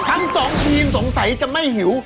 ทั้งสองทีมสงสัยจะไม่หิว